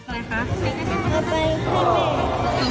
อะไรคะไม่ได้เก็บเงิน